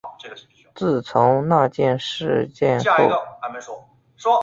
自从那事件后